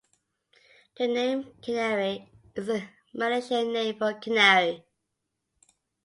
The name "Kenari" is a Malaysian name for canary.